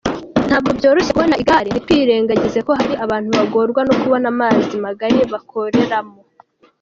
Ntabwo byoroshye kubona igare, ntitwirengagije ko hari abantu bagorwa no kubona amazi magari bakoreramo.